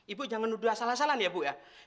ibu jangan nuduh asal asalan ya bu